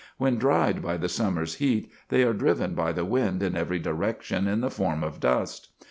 When dried by the summer's heat, they are driven by the wind in every direction in the form of dust.